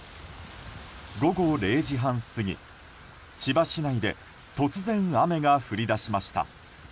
午後０時半過ぎ、千葉市内で突然、雨が降り出しました。